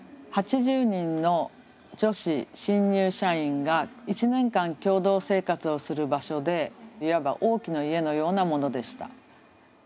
８０人の女子新入社員が１年間共同生活をする場所でいわば大きな家のようなものでした。